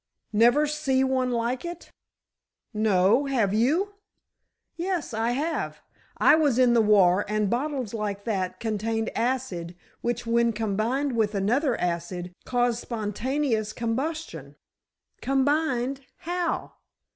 "Never see one like it?" "No; have you?" "Yes, I have. I was in the war, and bottles like that contained acid which, when combined with another acid, caused spontaneous combustion." "Combined—how?"